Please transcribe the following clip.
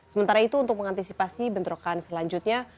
sementara itu untuk mengantisipasi bentrokan selanjutnya